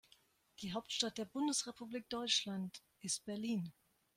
Die Hauptstadt der Bundesrepublik Deutschland ist Berlin